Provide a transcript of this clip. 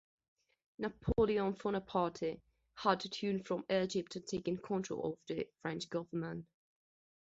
Napoleon Bonaparte had returned from Egypt and taken control of the French government.